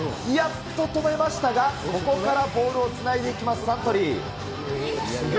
やっと止めましたが、ここからボールをつないでいきます、サントリー。